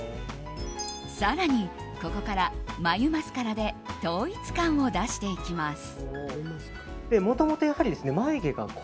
更に、ここから眉マスカラで統一感を出していきます。